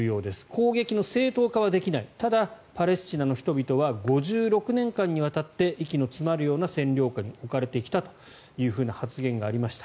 攻撃の正当化はできないただ、パレスチナの人々は５６年間にわたって息の詰まるような占領下に置かれてきたというふうな発言がありました。